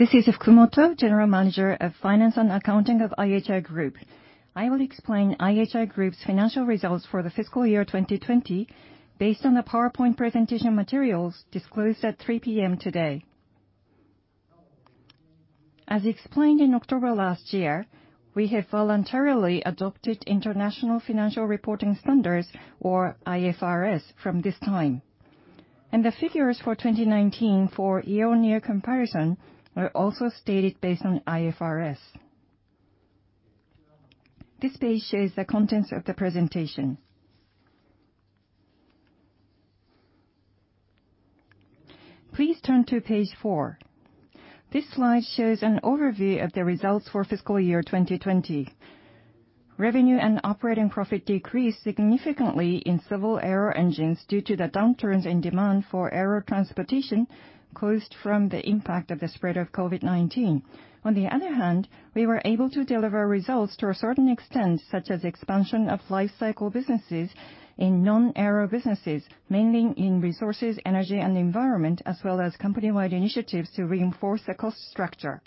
This is Fukumoto, General Manager of Finance and Accounting of IHI Group. I will explain IHI Group's financial results for the fiscal year 2020 based on the PowerPoint presentation materials disclosed at 3:00 P.M. today. As explained in October last year, we have voluntarily adopted International Financial Reporting Standards, or IFRS, from this time. The figures for 2019 for year-on-year comparison are also stated based on IFRS. This page shows the contents of the presentation. Please turn to page four. This slide shows an overview of the results for fiscal year 2020. Revenue and operating profit decreased significantly in civil aero-engines due to the downturns in demand for aero transportation caused from the impact of the spread of COVID-19. On the other hand, we were able to deliver results to a certain extent, such as expansion of lifecycle businesses in non-aero businesses, mainly in Resources, Energy & Environment, as well as company-wide initiatives to reinforce the cost structure.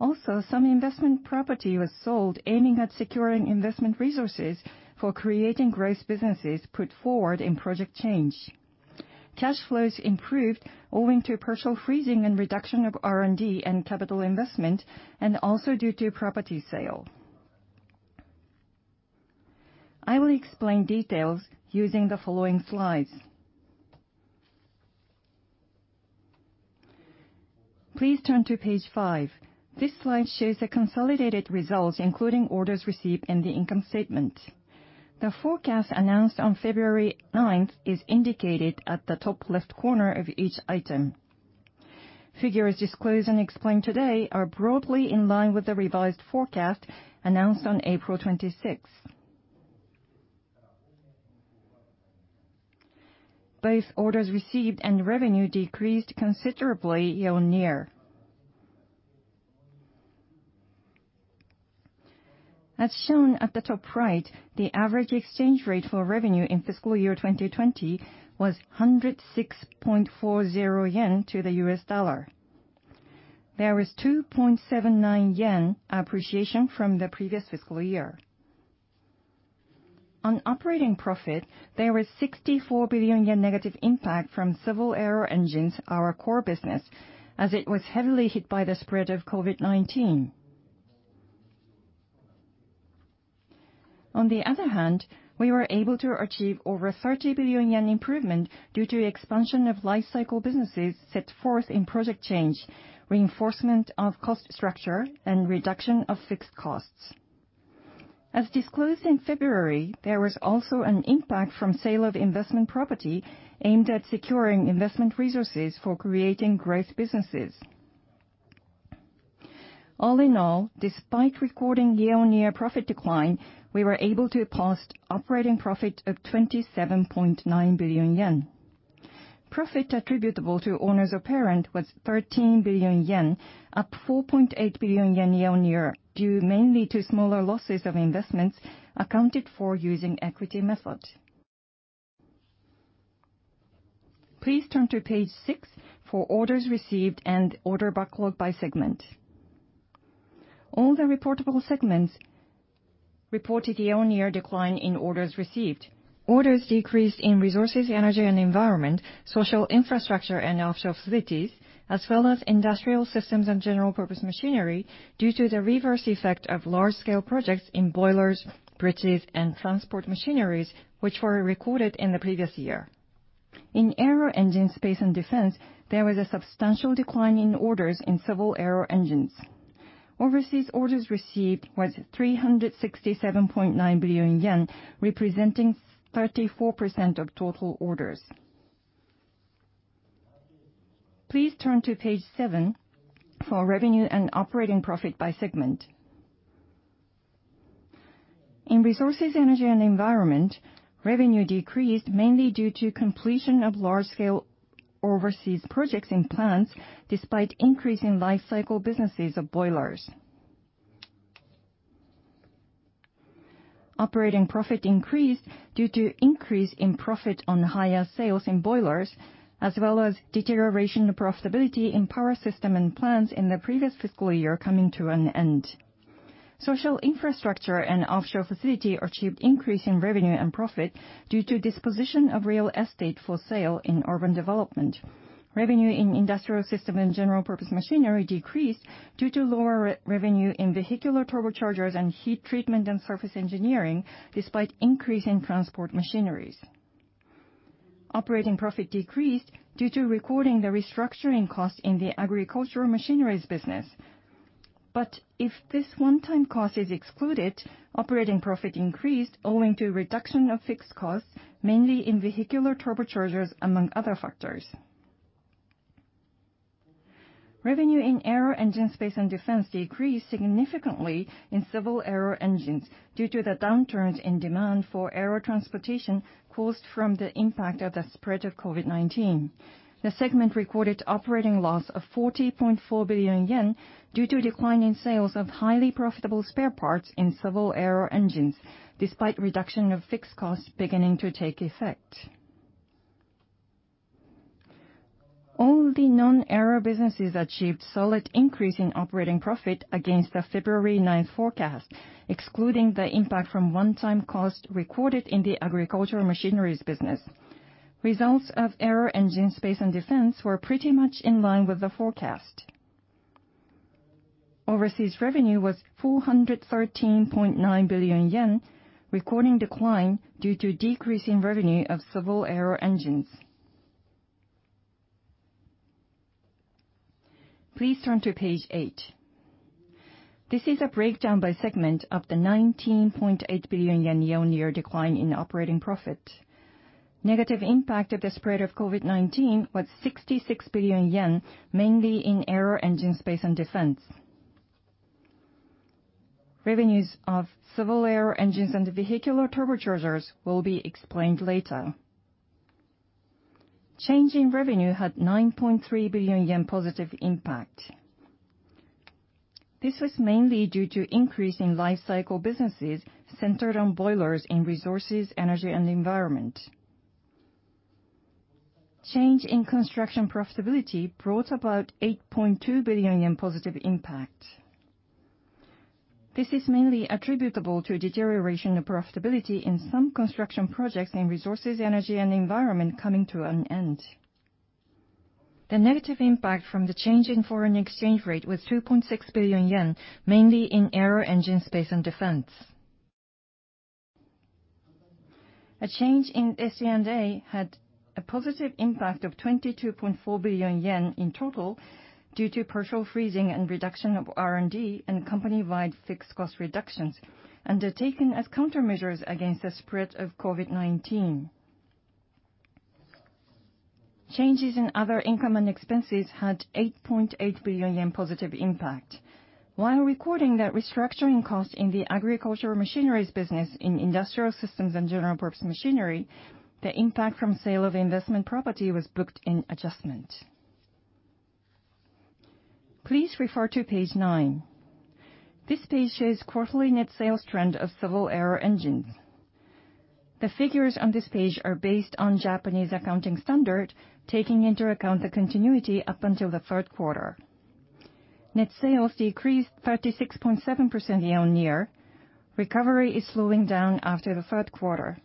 Also, some investment property was sold aiming at securing investment resources for creating growth businesses put forward in Project Change. Cash flows improved owing to partial freezing and reduction of R&D and capital investment, and also due to property sale. I will explain details using the following slides. Please turn to page five. This slide shows the consolidated results, including orders received and the income statement. The forecast announced on February 9th is indicated at the top left corner of each item. Figures disclosed and explained today are broadly in line with the revised forecast announced on April 26th. Both orders received and revenue decreased considerably year-on-year. As shown at the top right, the average exchange rate for revenue in fiscal year 2020 was 106.40 yen to the US dollar. There was 2.79 yen appreciation from the previous fiscal year. On operating profit, there was 64 billion yen negative impact from civil aero-engines, our core business, as it was heavily hit by the spread of COVID-19. On the other hand, we were able to achieve over 30 billion yen improvement due to expansion of lifecycle businesses set forth in Project Change, reinforcement of cost structure, and reduction of fixed costs. As disclosed in February, there was also an impact from sale of investment property aimed at securing investment resources for creating growth businesses. All in all, despite recording year-on-year profit decline, we were able to post operating profit of 27.9 billion yen. Profit attributable to owners of parent was 13 billion yen, up 4.8 billion yen year-on-year, due mainly to smaller losses of investments accounted for using equity method. Please turn to page six for orders received and order backlog by segment. All the reportable segments reported year-on-year decline in orders received. Orders decreased in Resources, Energy & Environment, Social Infrastructure & Offshore Facilities, as well as Industrial Systems & General-Purpose Machinery due to the reverse effect of large-scale projects in boilers, bridges, and transport machineries, which were recorded in the previous year. In Aero Engine, Space & Defense, there was a substantial decline in orders in civil-aero engines. Overseas orders received was 367.9 billion yen, representing 34% of total orders. Please turn to page seven for revenue and operating profit by segment. In Resources, Energy & Environment, revenue decreased mainly due to completion of large-scale overseas projects in plants, despite increase in lifecycle businesses of boilers. Operating profit increased due to increase in profit on higher sales in boilers, as well as deterioration of profitability in power system and plants in the previous fiscal year coming to an end. Social Infrastructure & Offshore Facilities achieved increase in revenue and profit due to disposition of real estate for sale in urban development. Revenue in Industrial Systems & General-Purpose Machinery decreased due to lower revenue in vehicular turbochargers and heat treatment and surface engineering, despite increase in transport machineries. Operating profit decreased due to recording the restructuring cost in the agricultural machineries business. If this one-time cost is excluded, operating profit increased owing to reduction of fixed costs, mainly in vehicular turbochargers, among other factors. Revenue in Aero Engine, Space & Defense decreased significantly in civil aero-engines due to the downturns in demand for aero transportation caused from the impact of the spread of COVID-19. The segment recorded operating loss of 40.4 billion yen due to decline in sales of highly profitable spare parts in civil aero-engines, despite reduction of fixed costs beginning to take effect. All the non-aero businesses achieved solid increase in operating profit against the February 9th forecast, excluding the impact from one-time cost recorded in the agricultural machinery business. Results of Aero Engine, Space & Defense were pretty much in line with the forecast. Overseas revenue was 413.9 billion yen, recording decline due to decrease in revenue of civil aero-engines. Please turn to page eight. This is a breakdown by segment of the 19.8 billion yen year-on-year decline in operating profit. Negative impact of the spread of COVID-19 was 66 billion yen, mainly in Aero Engine, Space & Defense. Revenues of civil aero-engines and vehicular turbochargers will be explained later. Change in revenue had 9.3 billion yen positive impact. This was mainly due to increase in lifecycle businesses centered on boilers in Resources, Energy & Environment. Change in construction profitability brought about 8.2 billion yen positive impact. This is mainly attributable to deterioration of profitability in some construction projects in Resources, Energy & Environment coming to an end. The negative impact from the change in foreign exchange rate was 2.6 billion yen, mainly in Aero Engine, Space & Defense. A change in SG&A had a positive impact of 22.4 billion yen in total due to partial freezing and reduction of R&D and company-wide fixed cost reductions undertaken as countermeasures against the spread of COVID-19. Changes in other income and expenses had 8.8 billion yen positive impact. While recording that restructuring cost in the agricultural machinery business in Industrial Systems & General-Purpose Machinery, the impact from sale of investment property was booked in adjustment. Please refer to page nine. This page shows quarterly net sales trend of civil aero-engines. The figures on this page are based on Japanese accounting standard, taking into account the continuity up until the third quarter. Net sales decreased 36.7% year-on-year. Recovery is slowing down after the third quarter.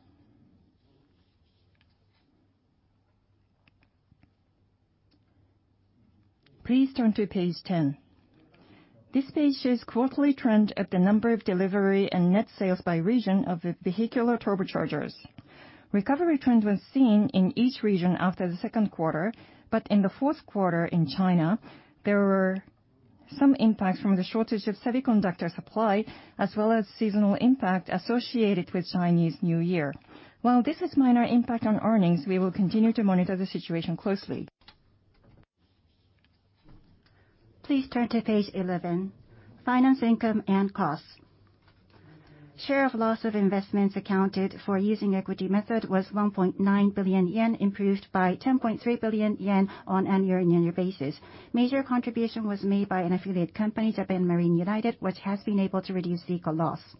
Please turn to page 10. This page shows quarterly trend of the number of delivery and net sales by region of the vehicular turbochargers. Recovery trends were seen in each region after the second quarter, but in the fourth quarter in China, there were some impacts from the shortage of semiconductor supply as well as seasonal impact associated with Chinese New Year. While this has minor impact on earnings, we will continue to monitor the situation closely. Please turn to page 11, finance income and costs. Share of loss of investments accounted for using equity method was 1.9 billion yen, improved by 10.3 billion yen on an year-on-year basis. Major contribution was made by an affiliate company, Japan Marine United, which has been able to reduce fiscal loss.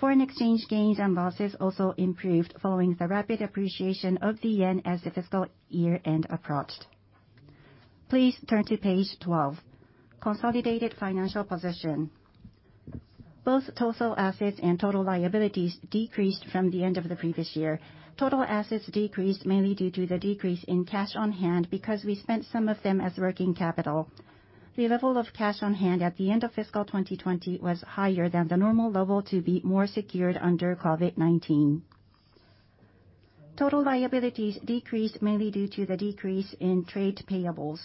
Foreign exchange gains and losses also improved following the rapid appreciation of the yen as the fiscal year-end approached. Please turn to page 12, consolidated financial position. Both total assets and total liabilities decreased from the end of the previous year. Total assets decreased mainly due to the decrease in cash on hand because we spent some of them as working capital. The level of cash on hand at the end of fiscal 2020 was higher than the normal level to be more secured under COVID-19. Total liabilities decreased mainly due to the decrease in trade payables.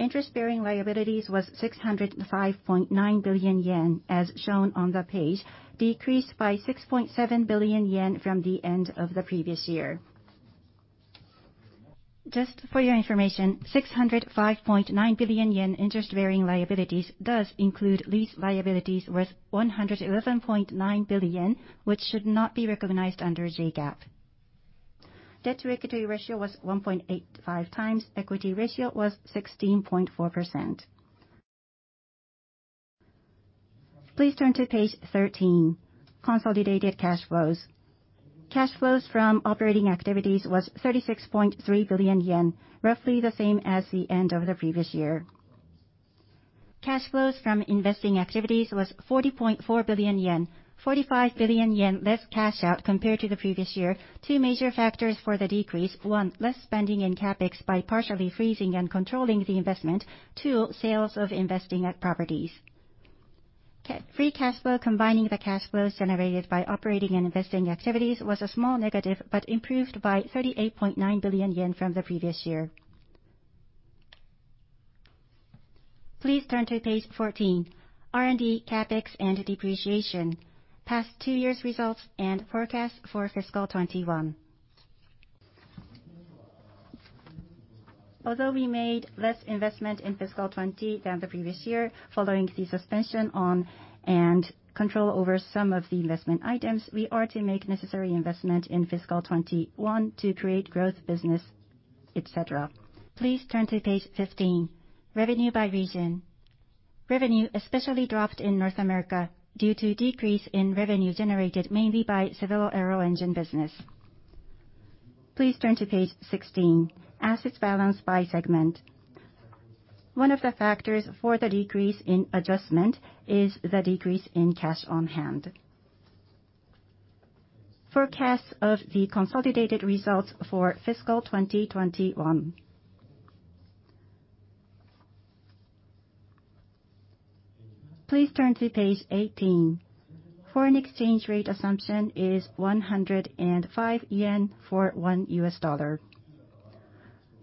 Interest-bearing liabilities was 605.9 billion yen as shown on the page, decreased by 6.7 billion yen from the end of the previous year. Just for your information, 605.9 billion yen interest-bearing liabilities does include lease liabilities worth 111.9 billion yen, which should not be recognized under JGAAP. Debt-to-equity ratio was 1.85x. Equity ratio was 16.4%. Please turn to page 13, consolidated cash flows. Cash flows from operating activities was 36.3 billion yen, roughly the same as the end of the previous year. Cash flows from investing activities was 40.4 billion yen, 45 billion yen less cash out compared to the previous year. Two major factors for the decrease, one, less spending in CapEx by partially freezing and controlling the investment. Two, sales of [investment] properties. Free cash flow combining the cash flows generated by operating and investing activities was a small negative, but improved by 38.9 billion yen from the previous year. Please turn to page 14, R&D, CapEx, and depreciation, past two years' results, and forecast for fiscal 2021. Although we made less investment in fiscal 2020 than the previous year, following the suspension on and control over some of the investment items, we are to make necessary investment in fiscal 2021 to create growth business, et cetera. Please turn to page 15, revenue by region. Revenue especially dropped in North America due to decrease in revenue generated mainly by civil aero-engine business. Please turn to page 16, assets balance by segment. One of the factors for the decrease in adjustment is the decrease in cash on hand. Forecasts of the consolidated results for fiscal 2021. Please turn to page 18. Foreign exchange rate assumption is 105 yen for $1 U.S.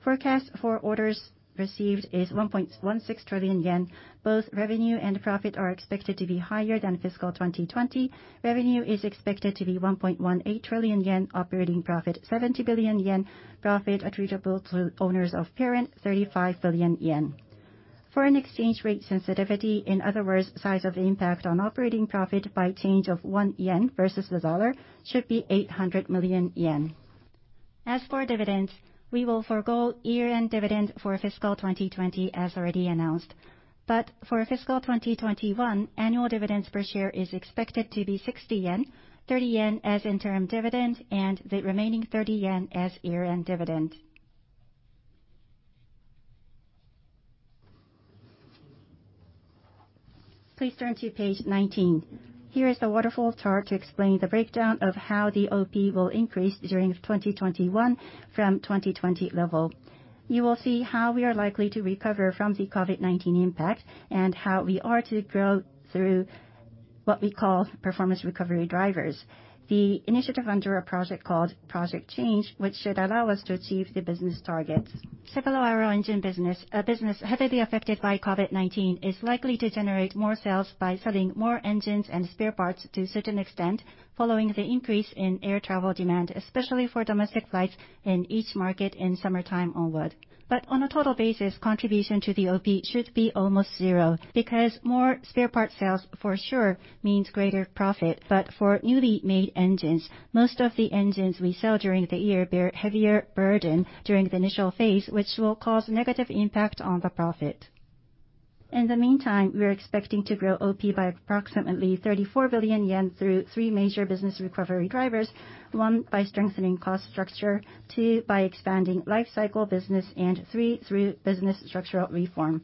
Forecast for orders received is 1.16 trillion yen. Both revenue and profit are expected to be higher than fiscal 2020. Revenue is expected to be 1.18 trillion yen, operating profit 70 billion yen, profit attributable to owners of parent 35 billion yen. Foreign exchange rate sensitivity, in other words, size of impact on operating profit by change of one yen versus the dollar, should be 800 million yen. As for dividends, we will forgo year-end dividend for fiscal 2020 as already announced. For fiscal 2021, annual dividends per share is expected to be 60 yen, 30 yen as interim dividend, and the remaining 30 yen as year-end dividend. Please turn to page 19. Here is the waterfall chart to explain the breakdown of how the OP will increase during 2021 from 2020 level. You will see how we are likely to recover from the COVID-19 impact and how we are to grow through what we call performance recovery drivers. The initiative under a project called Project Change, which should allow us to achieve the business targets. Civil aero-engine business, a business heavily affected by COVID-19, is likely to generate more sales by selling more engines and spare parts to a certain extent, following the increase in air travel demand, especially for domestic flights in each market in summertime onward. On a total basis, contribution to the OP should be almost zero, because more spare part sales for sure means greater profit. For newly made engines, most of the engines we sell during the year bear a heavier burden during the initial phase, which will cause negative impact on the profit. In the meantime, we are expecting to grow OP by approximately 34 billion yen through three major business recovery drivers. One, by strengthening cost structure, two, by expanding lifecycle business, and three, through business structural reform.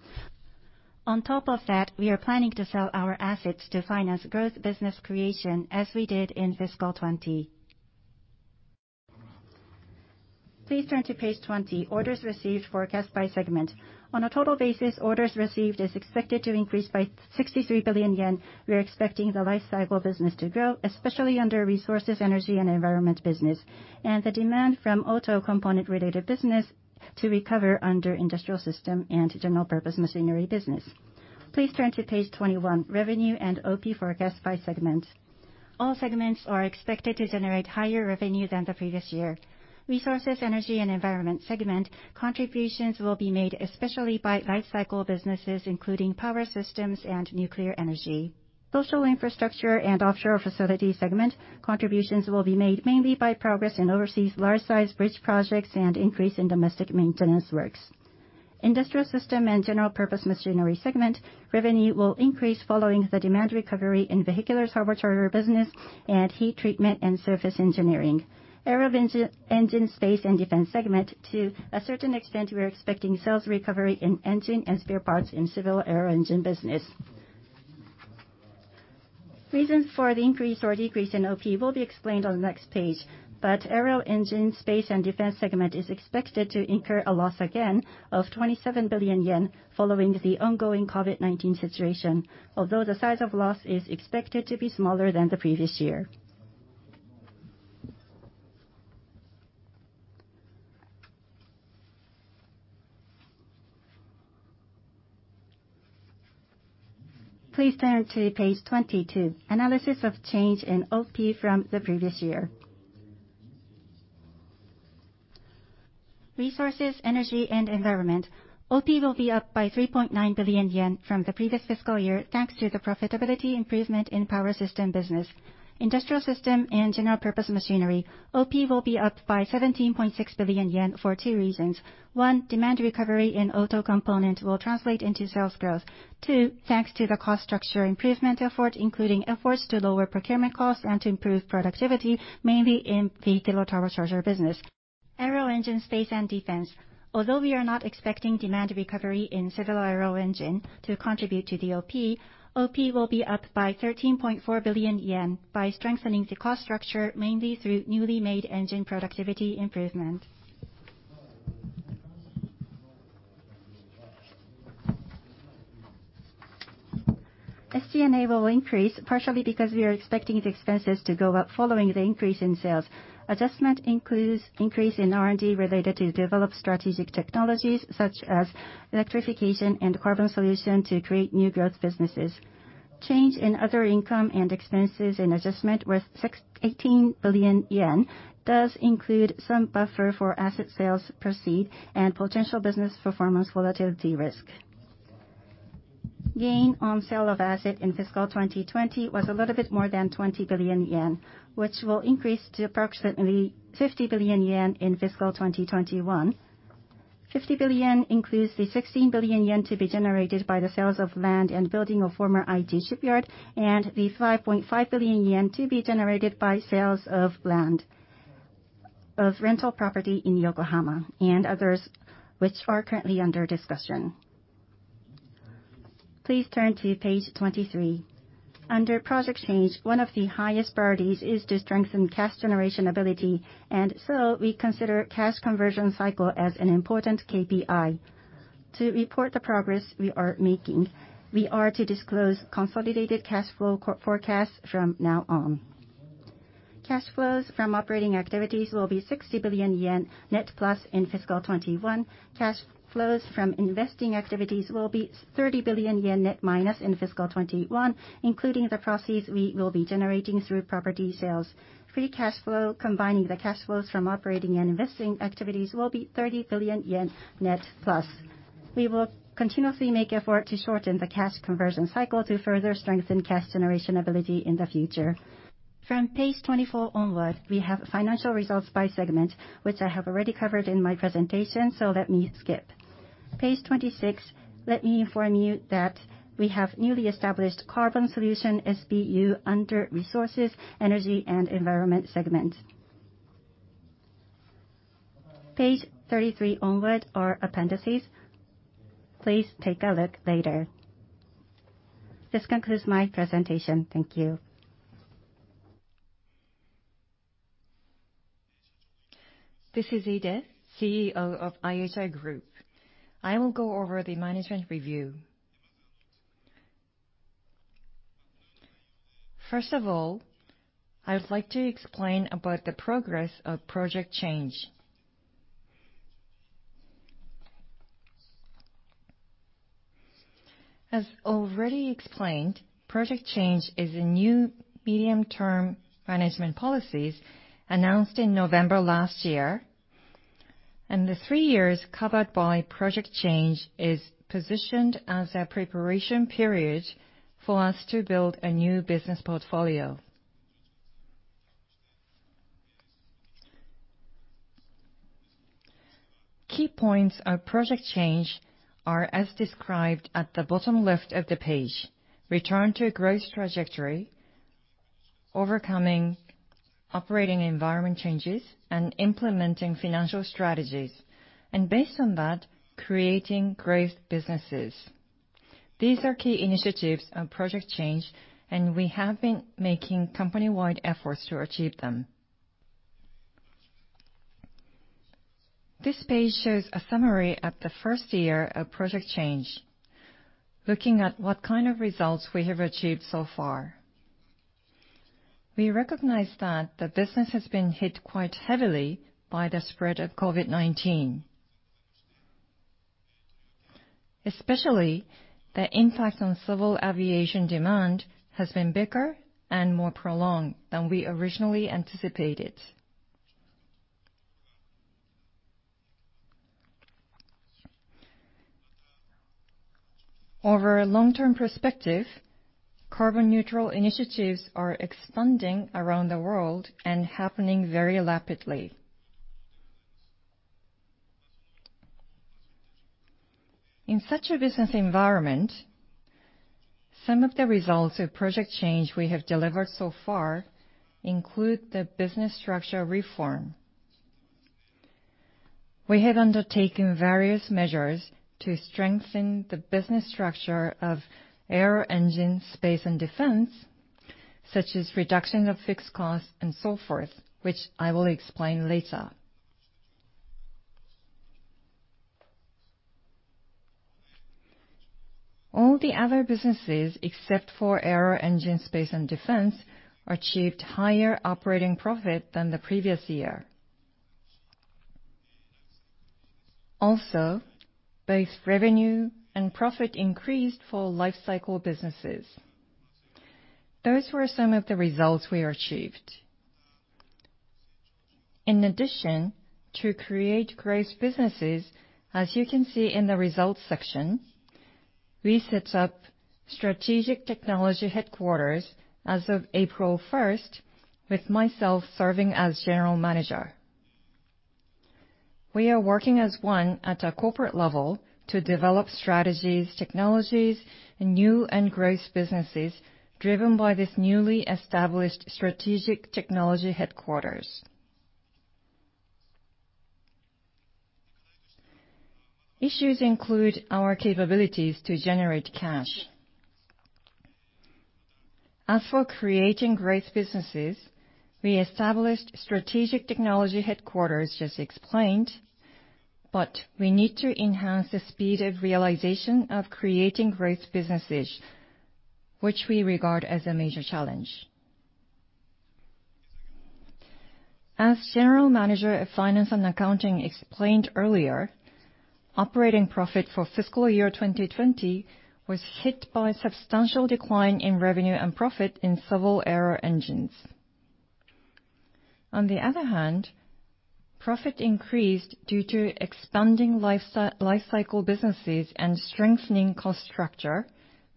On top of that, we are planning to sell our assets to finance growth business creation as we did in fiscal 2020. Please turn to page 20, orders received forecast by segment. On a total basis, orders received is expected to increase by 63 billion yen. We are expecting the lifecycle business to grow, especially under Resources, Energy & Environment business, and the demand from auto component-related business to recover under Industrial Systems & General-Purpose Machinery business. Please turn to page 21, revenue and OP forecast by segment. All segments are expected to generate higher revenue than the previous year. Resources, Energy & Environment segment contributions will be made especially by lifecycle businesses, including power systems and nuclear energy. Social Infrastructure and Offshore Facilities segment contributions will be made mainly by progress in overseas large size bridge projects and increase in domestic maintenance works. Industrial Systems & General-Purpose Machinery segment revenue will increase following the demand recovery in vehicular turbochargers business and heat treatment and surface engineering. Aero Engine, Space & Defense segment, to a certain extent, we are expecting sales recovery in engine and spare parts in civil aero-engine business. Reasons for the increase or decrease in OP will be explained on the next page. Aero Engine, Space & Defense segment is expected to incur a loss again of 27 billion yen following the ongoing COVID-19 situation. The size of loss is expected to be smaller than the previous year. Please turn to page 22, analysis of change in OP from the previous year. Resources, Energy & Environment. OP will be up by 3.9 billion yen from the previous fiscal year, thanks to the profitability improvement in power system business. Industrial Systems & General-Purpose Machinery. OP will be up by 17.6 billion yen for two reasons. One, demand recovery in auto component will translate into sales growth. Two, thanks to the cost structure improvement effort, including efforts to lower procurement costs and to improve productivity, mainly in the turbocharger business. Aero Engine, Space & Defense. Although we are not expecting demand recovery in civil aero-engine to contribute to the OP will be up by 13.4 billion yen by strengthening the cost structure, mainly through newly made engine productivity improvement. SG&A will increase partially because we are expecting the expenses to go up following the increase in sales. Adjustment includes increase in R&D related to developed strategic technologies such as electrification and carbon solution to create new growth businesses. Change in other income and expenses and adjustment with 18 billion yen does include some buffer for asset sales proceed and potential business performance volatility risk. Gain on sale of asset in fiscal 2020 was a little bit more than 20 billion yen, which will increase to approximately 50 billion yen in fiscal 2021. 50 billion includes the 16 billion yen to be generated by the sales of land and building of former Aioi shipyard and the 5.5 billion yen to be generated by sales of land, of rental property in Yokohama and others, which are currently under discussion. Please turn to page 23. Under Project Change, one of the highest priorities is to strengthen cash generation ability, and so we consider cash conversion cycle as an important KPI. To report the progress we are making, we are to disclose consolidated cash flow forecast from now on. Cash flows from operating activities will be 60 billion yen net plus in fiscal 2021. Cash flows from investing activities will be 30 billion yen net minus in fiscal 2021, including the proceeds we will be generating through property sales. Free cash flow, combining the cash flows from operating and investing activities, will be 30 billion yen net plus. We will continuously make effort to shorten the cash conversion cycle to further strengthen cash generation ability in the future. From page 24 onward, we have financial results by segment, which I have already covered in my presentation, Let me skip. Page 26, let me inform you that we have newly established Carbon Solution SBU under Resources, Energy & Environment Segment. Page 33 onward are appendices. Please take a look later. This concludes my presentation. Thank you. This is Ide, CEO of IHI Group. I will go over the management review. First of all, I would like to explain about the progress of Project Change. As already explained, Project Change is a new medium-term management policies announced in November last year, and the three years covered by Project Change is positioned as a preparation period for us to build a new business portfolio. Key points of Project Change are as described at the bottom left of the page. Return to growth trajectory, overcoming operating environment changes, and implementing financial strategies. Based on that, creating growth businesses. These are key initiatives of Project Change, and we have been making company-wide efforts to achieve them. This page shows a summary of the first year of Project Change, looking at what kind of results we have achieved so far. We recognize that the business has been hit quite heavily by the spread of COVID-19. Especially, the impact on civil aviation demand has been bigger and more prolonged than we originally anticipated. Over a long-term perspective, carbon neutral initiatives are expanding around the world and happening very rapidly. In such a business environment, some of the results of Project Change we have delivered so far include the business structure reform. We have undertaken various measures to strengthen the business structure of Aero Engine, Space & Defense, such as reduction of fixed costs and so forth, which I will explain later. All the other businesses, except for Aero Engine, Space & Defense, achieved higher operating profit than the previous year. Both revenue and profit increased for lifecycle businesses. Those were some of the results we achieved. In addition, to create growth businesses, as you can see in the results section, we set up Strategic Technology Headquarters as of April 1st, with myself serving as general manager. We are working as one at a corporate level to develop strategies, technologies, and new and growth businesses driven by this newly established Strategic Technology Headquarters. Issues include our capabilities to generate cash. As for creating growth businesses, we established Strategic Technology Headquarters, just explained, but we need to enhance the speed of realization of creating growth businesses, which we regard as a major challenge. As general manager of finance and accounting explained earlier, operating profit for fiscal year 2020 was hit by a substantial decline in revenue and profit in civil aero-engines. On the other hand, profit increased due to expanding lifecycle businesses and strengthening cost structure,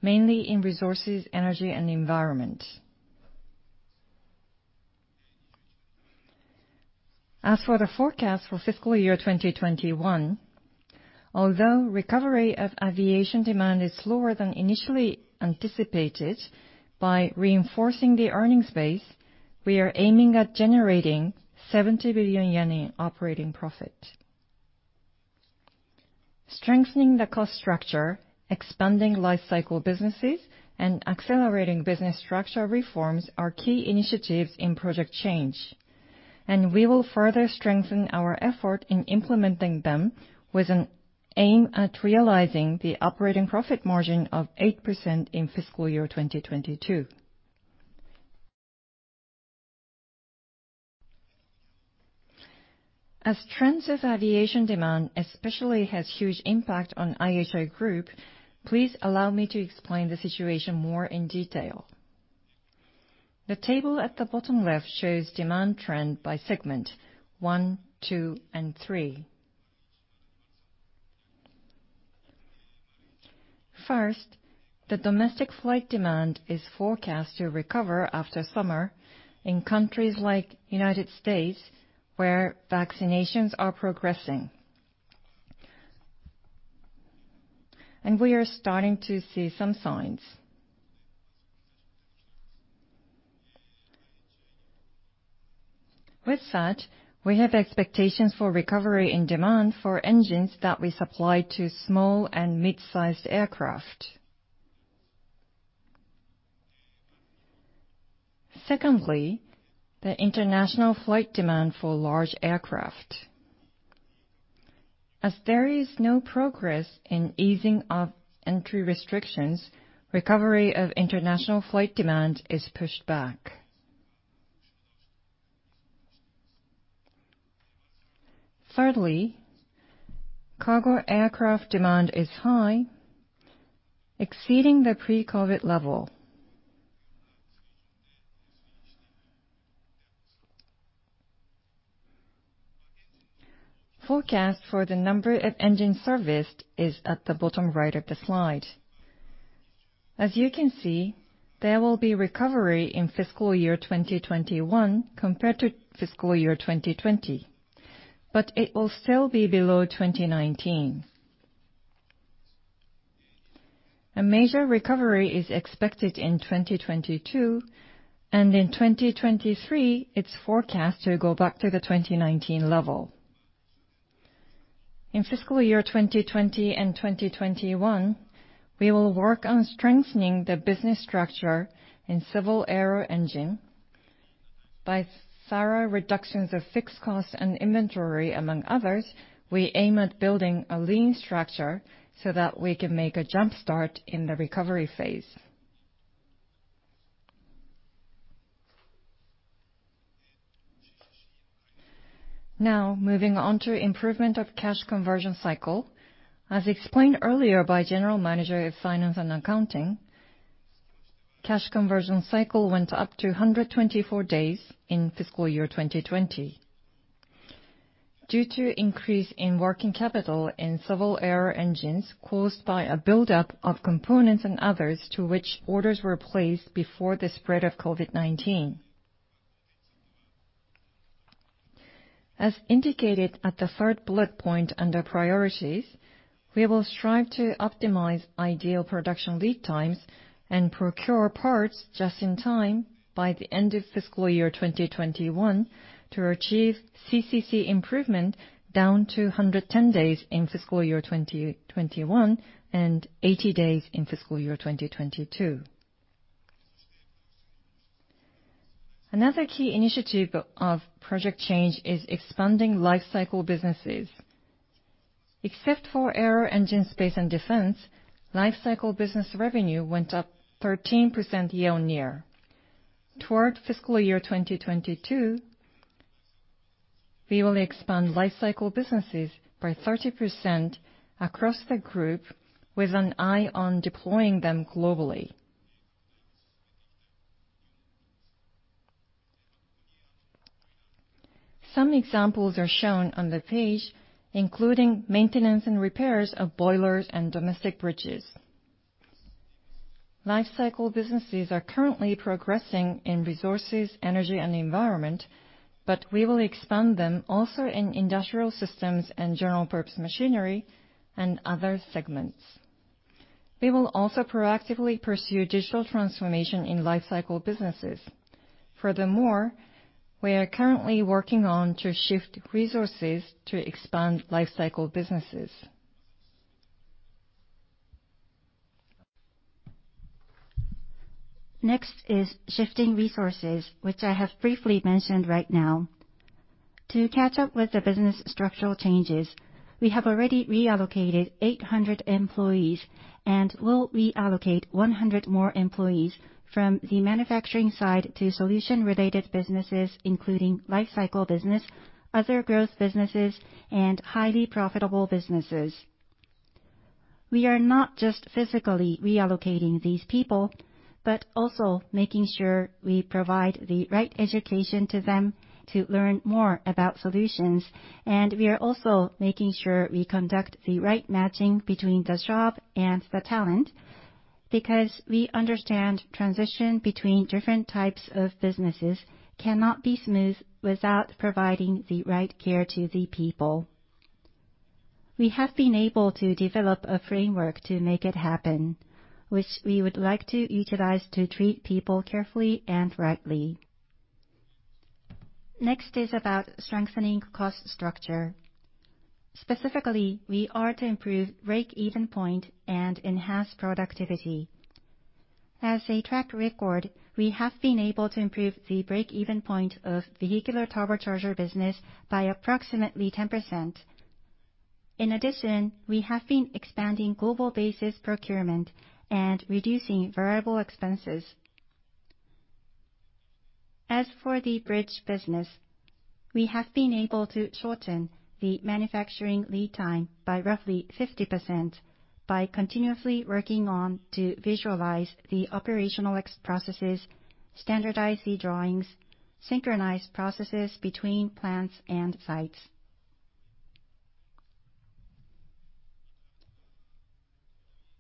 mainly in Resources, Energy & Environment. as for the forecast for fiscal year 2021, although recovery of aviation demand is slower than initially anticipated, by reinforcing the earnings base, we are aiming at generating 70 billion yen in operating profit. Strengthening the cost structure, expanding business lifecycle, and accelerating business structure reforms are key initiatives in Project Change. We will further strengthen our effort in implementing them with an aim at realizing the operating profit margin of 8% in fiscal year 2022. As trends of aviation demand especially has huge impact on IHI Group, please allow me to explain the situation more in detail. The table at the bottom left shows demand trend by segment one, two, and three. First, the domestic flight demand is forecast to recover after summer in countries like U.S., where vaccinations are progressing. We are starting to see some signs. With that, we have expectations for recovery in demand for engines that we supply to small and mid-sized aircraft. Secondly, the international flight demand for large aircraft. There is no progress in easing of entry restrictions, recovery of international flight demand is pushed back. Thirdly, cargo aircraft demand is high, exceeding the pre-COVID-19 level. Forecast for the number of engines serviced is at the bottom right of the slide. You can see, there will be recovery in fiscal year 2021 compared to fiscal year 2020, but it will still be below 2019. A major recovery is expected in 2022, and in 2023, it's forecast to go back to the 2019 level. In fiscal year 2020 and 2021, we will work on strengthening the business structure in civil aero-engine. By thorough reductions of fixed costs and inventory, among others, we aim at building a lean structure so that we can make a jumpstart in the recovery phase. Now, moving on to improvement of cash conversion cycle. As explained earlier by general manager of finance and accounting, cash conversion cycle went up to 124 days in fiscal year 2020 due to increase in working capital in civil aero-engines caused by a buildup of components and others to which orders were placed before the spread of COVID-19. As indicated at the third bullet point under priorities, we will strive to optimize ideal production lead times and procure parts just in time by the end of fiscal year 2021 to achieve CCC improvement down to 110 days in fiscal year 2021 and 80 days in fiscal year 2022. Another key initiative of Project Change is expanding lifecycle businesses. Except for Aero Engine, Space & Defense, lifecycle business revenue went up 13% year-on-year. Toward fiscal year 2022, we will expand business lifecycle by 30% across the group, with an eye on deploying them globally. Some examples are shown on the page, including maintenance and repairs of boilers and domestic bridges. Lifecycle businesses are currently progressing in resources, energy and the environment. We will expand them also in Industrial Systems & General-Purpose Machinery and other segments. We will also proactively pursue digital transformation in lifecycle businesses. Furthermore, we are currently working on to shift resources to expand lifecycle businesses. Next is shifting resources, which I have briefly mentioned right now. To catch up with the business structural changes, we have already reallocated 800 employees and will reallocate 100 more employees from the manufacturing side to solution-related businesses, including lifecycle business, other growth businesses, and highly profitable businesses. We are not just physically reallocating these people, but also making sure we provide the right education to them to learn more about solutions. We are also making sure we conduct the right matching between the job and the talent. Because we understand transition between different types of businesses cannot be smooth without providing the right care to the people. We have been able to develop a framework to make it happen, which we would like to utilize to treat people carefully and rightly. Next is about strengthening cost structure. Specifically, we are to improve break-even point and enhance productivity. As a track record, we have been able to improve the break-even point of vehicular turbochargers business by approximately 10%. In addition, we have been expanding global basis procurement and reducing variable expenses. As for the bridge business, we have been able to shorten the manufacturing lead time by roughly 50% by continuously working on to visualize the operational processes, standardize the drawings, synchronize processes between plants and sites.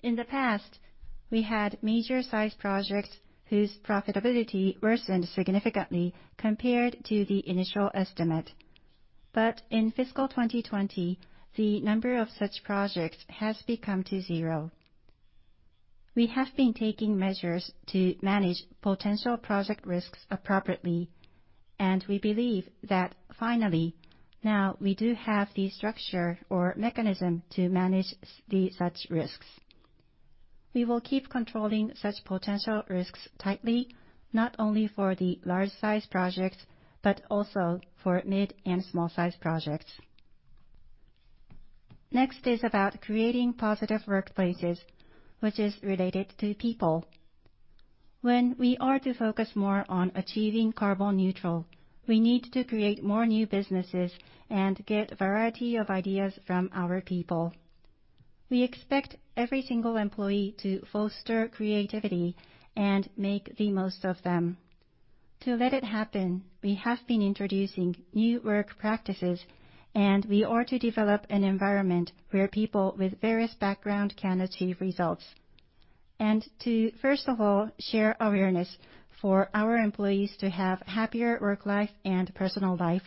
In the past, we had major size projects whose profitability worsened significantly compared to the initial estimate. In fiscal 2020, the number of such projects has become to zero. We have been taking measures to manage potential project risks appropriately, and we believe that finally, now we do have the structure or mechanism to manage such risks. We will keep controlling such potential risks tightly, not only for the large size projects, but also for mid and small size projects. Next is about creating positive workplaces, which is related to people. When we are to focus more on achieving carbon neutral, we need to create more new businesses and get a variety of ideas from our people. We expect every single employee to foster creativity and make the most of them. To let it happen, we have been introducing new work practices, and we are to develop an environment where people with various background can achieve results. To, first of all, share awareness for our employees to have happier work life and personal life,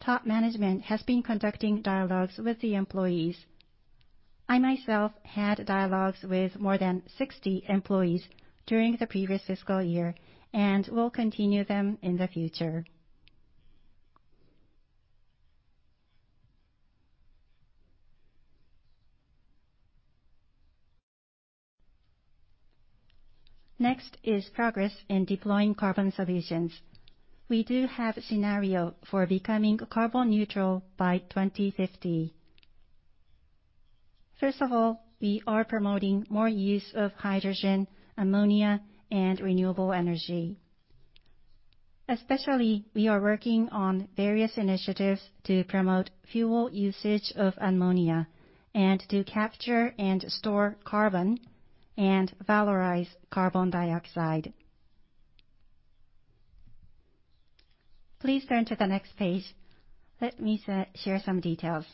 top management has been conducting dialogues with the employees. I myself had dialogues with more than 60 employees during the previous fiscal year and will continue them in the future. Next is progress in deploying carbon solutions. We do have a scenario for becoming carbon neutral by 2050. First of all, we are promoting more use of hydrogen, ammonia, and renewable energy. Especially, we are working on various initiatives to promote fuel usage of ammonia and to capture and store carbon and valorize carbon dioxide. Please turn to the next page. Let me share some details.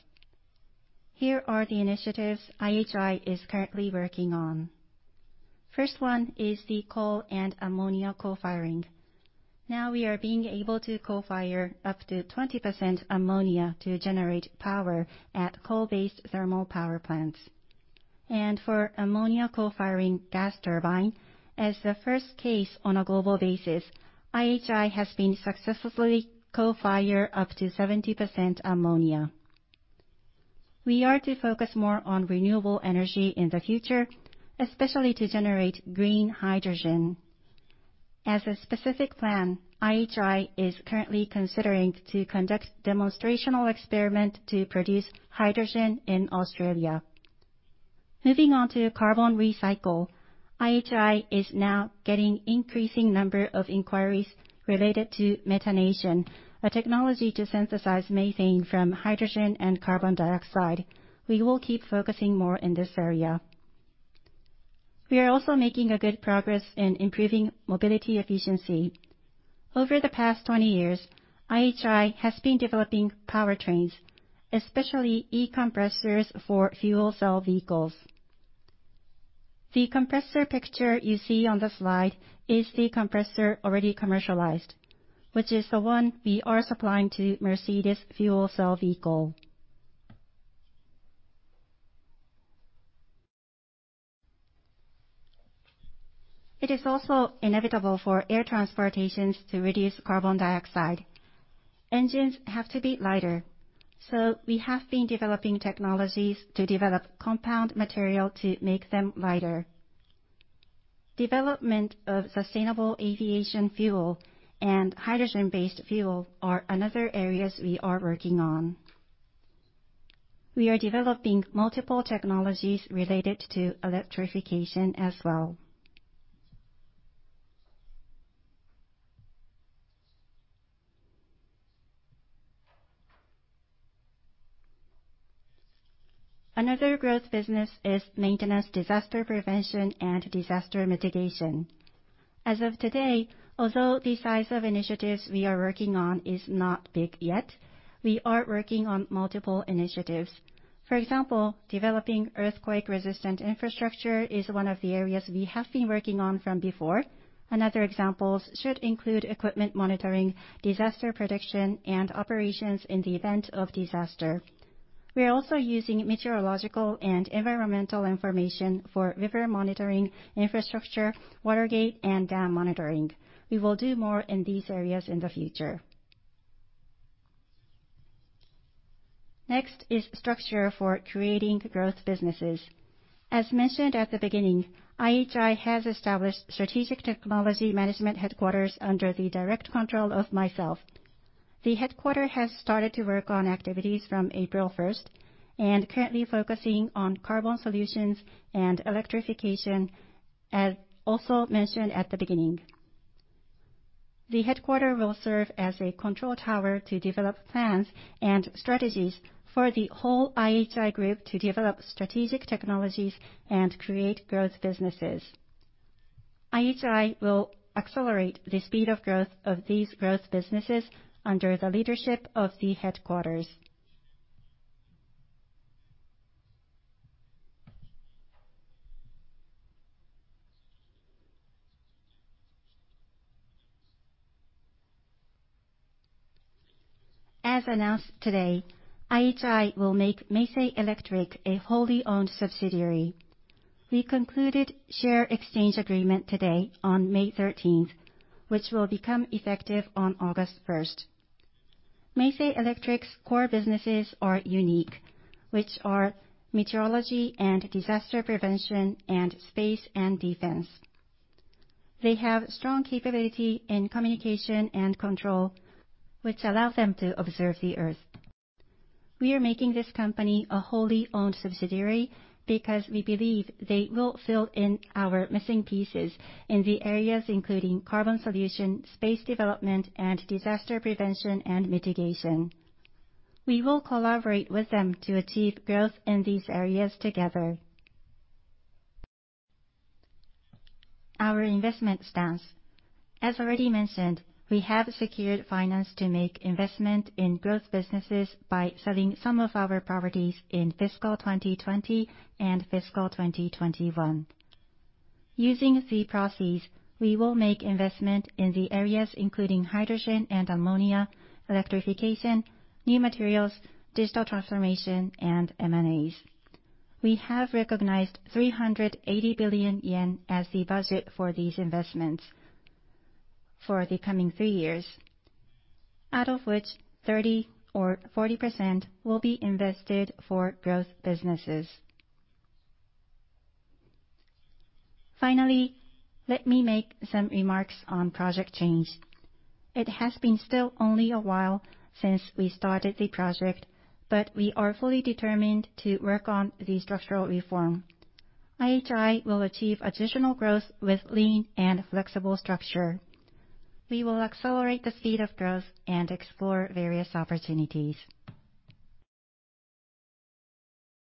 Here are the initiatives IHI is currently working on. First one is the coal and ammonia co-firing. Now we are being able to co-fire up to 20% ammonia to generate power at coal-based thermal power plants. For ammonia co-firing gas turbine, as the first case on a global basis, IHI has been successfully co-fire up to 70% ammonia. We are to focus more on renewable energy in the future, especially to generate green hydrogen. As a specific plan, IHI is currently considering to conduct demonstrational experiment to produce hydrogen in Australia. Moving on to carbon recycle, IHI is now getting increasing number of inquiries related to methanation, a technology to synthesize methane from hydrogen and carbon dioxide. We will keep focusing more in this area. We are also making a good progress in improving mobility efficiency. Over the past 20 years, IHI has been developing powertrains, especially e-compressors for fuel cell vehicles. The compressor picture you see on the slide is the compressor already commercialized, which is the one we are supplying to Mercedes fuel cell vehicle. It is also inevitable for air transportations to reduce carbon dioxide. Engines have to be lighter, so we have been developing technologies to develop composite material to make them lighter. Development of sustainable aviation fuel and hydrogen-based fuel are another areas we are working on. We are developing multiple technologies related to electrification as well. Another growth business is maintenance disaster prevention and disaster mitigation. As of today, although the size of initiatives we are working on is not big yet, we are working on multiple initiatives. For example, developing earthquake-resistant infrastructure is one of the areas we have been working on from before. Another example should include equipment monitoring, disaster prediction, and operations in the event of disaster. We are also using meteorological and environmental information for river monitoring, infrastructure, water gate, and dam monitoring. We will do more in these areas in the future. Next is structure for creating growth businesses. As mentioned at the beginning, IHI has established Strategic Technology Headquarters under the direct control of myself. The Headquarters has started to work on activities from April 1 and currently focusing on carbon solutions and electrification, as also mentioned at the beginning. The headquarters will serve as a control tower to develop plans and strategies for the whole IHI Group to develop strategic technologies and create growth businesses. IHI will accelerate the speed of growth of these growth businesses under the leadership of the headquarters. As announced today, IHI will make Meisei Electric a wholly owned subsidiary. We concluded share exchange agreement today on May 13th, which will become effective on August 1st. Meisei Electric's core businesses are unique, which are meteorology and disaster prevention and space and defense. They have strong capability in communication and control, which allows them to observe the Earth. We are making this company a wholly owned subsidiary because we believe they will fill in our missing pieces in the areas including carbon solution, space development, and disaster prevention and mitigation. We will collaborate with them to achieve growth in these areas together. Our investment stance. As already mentioned, we have secured finance to make investment in growth businesses by selling some of our properties in fiscal 2020 and fiscal 2021. Using the proceeds, we will make investment in the areas including hydrogen and ammonia, electrification, new materials, digital transformation, and M&As. We have recognized 380 billion yen as the budget for these investments for the coming three years, out of which 30% or 40% will be invested for growth businesses. Finally, let me make some remarks on Project Change. It has been still only a while since we started the project, but we are fully determined to work on the structural reform. IHI will achieve additional growth with lean and flexible structure. We will accelerate the speed of growth and explore various opportunities.